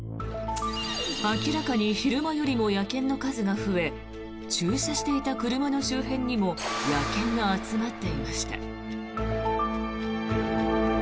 明らかに昼間よりも野犬の数が増え駐車していた車の周辺にも野犬が集まっていました。